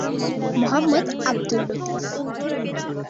Mohammad Abdul Latif